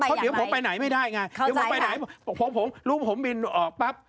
เพราะเดี๋ยวผมไปไหนไม่ได้ไงเดี๋ยวผมไปไหนผมรู้ผมบินออกปั๊บ